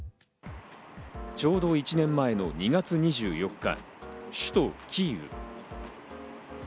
ちょうど１年前の２月２４日、首都キーウ。